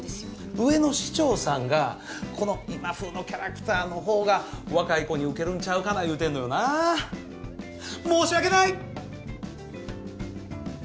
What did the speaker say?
上の市長さんがこの今風のキャラクターの方が若い子にウケるんちゃうかな言うてんのよなあ申し訳ない！